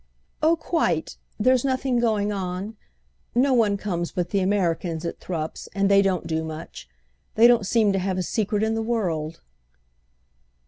"Oh quite. There's nothing going on. No one comes but the Americans at Thrupp's, and they don't do much. They don't seem to have a secret in the world."